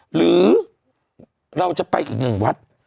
หรือเราจะไปอีกหนึ่งวัด